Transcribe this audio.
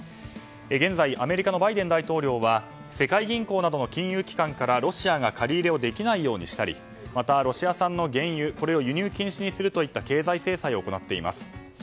現在アメリカのバイデン大統領は世界銀行などの金融機関からロシアが借り入れをできないようにしたりまたロシア産の原油これを輸入禁止にするといった経済制裁を行っています。